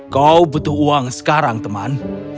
kau butuh uang sekarang teman